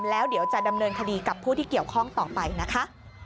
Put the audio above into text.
แล้วเดี๋ยวจะดำเนินคดีกับผู้ที่เกี่ยวข้องต่อไปนะคะ